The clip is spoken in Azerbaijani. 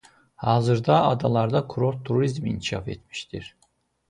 Hazırda adalarda kurort turizm inkişaf etmişdir.